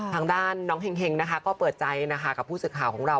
ทางด้านน้องเฮ็งก็เปิดใจกับผู้สื่อข่าวของเรา